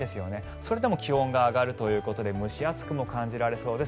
それでも気温が上がるということで蒸し暑くも感じられそうです。